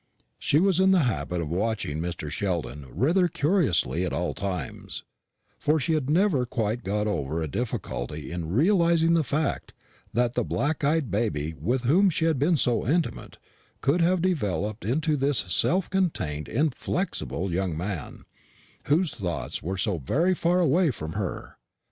She was in the habit of watching Mr. Sheldon rather curiously at all times, for she had never quite got over a difficulty in realising the fact that the black eyed baby with whom she had been so intimate could have developed into this self contained inflexible young man, whose thoughts were so very far away from her.